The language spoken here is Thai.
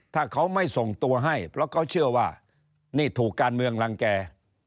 ถ้าเขาไม่ส่งตัวให้เพราะเขาเชื่อว่านี่ถูกการเมืองรังแก่